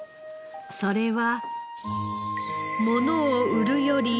それは。